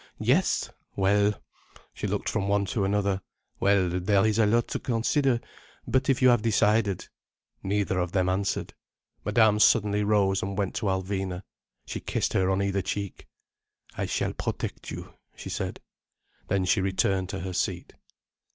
—yes!—well!" She looked from one to another. "Well, there is a lot to consider. But if you have decided—" Neither of them answered. Madame suddenly rose and went to Alvina. She kissed her on either cheek. "I shall protect you," she said. Then she returned to her seat.